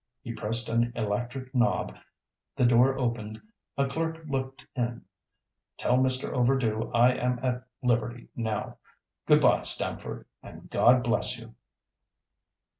He pressed an electric knob, the door opened, a clerk looked in. "Tell Mr. Overdue I am at liberty now. Good bye, Stamford, and God bless you!"